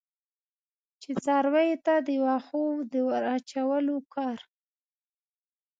چې څارویو ته د وښو د ور اچولو کار.